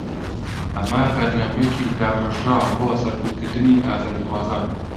ئەمە بەرنامەیەکی داڕێژراوە بۆ سەرکوتکردنی ئازادیخوازان